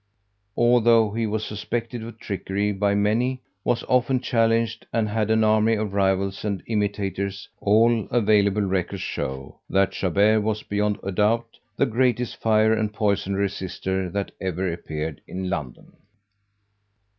Although he was suspected of trickery by many, was often challenged, and had an army of rivals and imitators, all available records show that Chabert was beyond a doubt the greatest fire and poison resister that ever appeared in London.